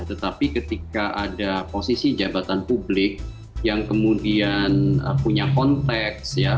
tetapi ketika ada posisi jabatan publik yang kemudian punya konteks ya